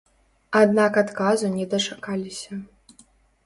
Аднак адказу не дачакаліся.